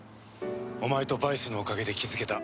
お前とバイスのおかげで気づけた。